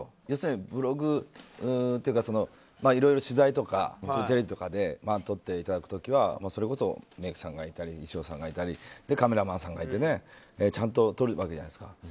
要するにブログというかいろいろ取材とかテレビとかで撮っていただく時はそれこそメイクさんがいたり衣装さんがいたりカメラマンさんがいてちゃんと撮るわけじゃないですか。